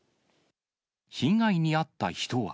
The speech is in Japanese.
被害に遭った人は。